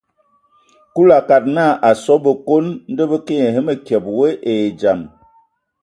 Kulu a akad naa, a asɔ a Bǝkon, ndɔ bə kə nye və mǝkyǝbe we e dzam.